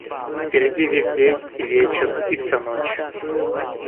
Впереди весь день, и вечер, и вся ночь...